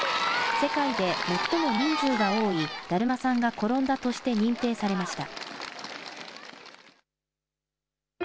世界で最も人数が多いだるまさんが転んだとして認定されました。